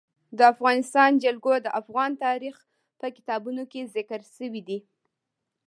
د افغانستان جلکو د افغان تاریخ په کتابونو کې ذکر شوی دي.